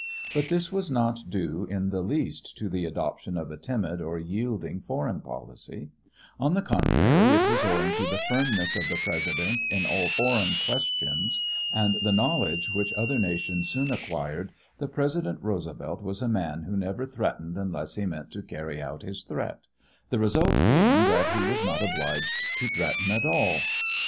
But this was not due in the least to the adoption of a timid or yielding foreign policy; on the contrary, it was owing to the firmness of the President in all foreign questions and the knowledge which other nations soon acquired that President Roosevelt was a man who never threatened unless he meant to carry out his threat, the result being that he was not obliged to threaten at all.